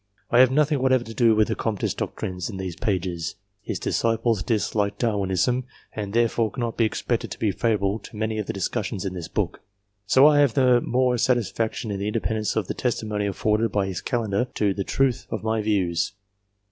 I have nothing whatever to do with Comtist doctrines in these pages : his disciples dislike Darwinism, and therefore cannot be expected to be favour able to many of the discussions in this book ; so I have the more satisfaction in the independence of the testimony afforded by his Calendar to the truth of my views.